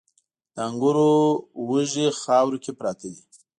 د انګورو وږي خاورو کې پراته دي